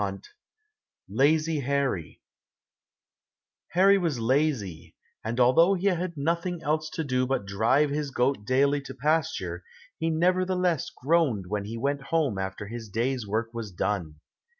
164 Lazy Harry Harry was lazy, and although he had nothing else to do but drive his goat daily to pasture, he nevertheless groaned when he went home after his day's work was done.